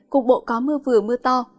cuộc bộ có mưa vừa mưa to